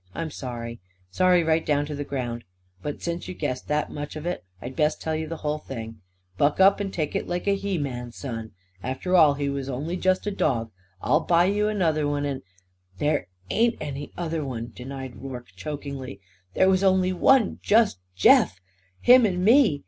I'm sorry. Sorry, right down to the ground. But since you've guessed that much of it I'd best tell you the whole thing. Buck up and take it like a he man, son. After all, he was only just a dog. I'll buy you another one and " "There ain't any other one!" denied Rorke chokingly. "There was only just Jeff! Him and me.